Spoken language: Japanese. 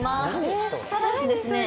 「ただしですね